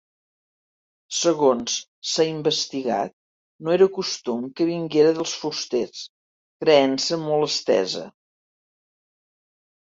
Segons s'ha investigat, no era costum que vinguera dels fusters, creença molt estesa.